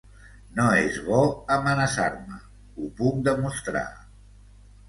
No és bo amenaçar-me. Ho puc demostrar!